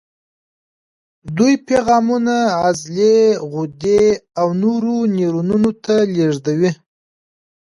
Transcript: دوی پیغامونه عضلې، غدې او نورو نیورونونو ته لېږدوي.